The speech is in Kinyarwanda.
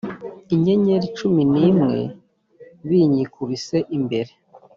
inyenyeri cumi n imwe binyikubise imbere